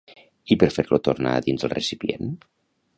I per fer-lo tornar a dins el recipient?